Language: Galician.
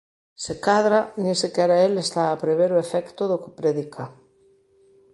Se cadra, nin sequera el está a prever o efecto do que predica.